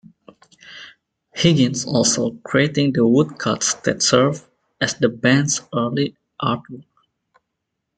Higgins also creating the woodcuts that served as the band's early artwork.